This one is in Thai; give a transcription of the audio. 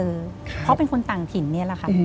เพราะเป็นคนต่างถิ่นนี่แหละค่ะ